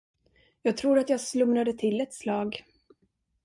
Jag tror att jag slumrade till ett slag.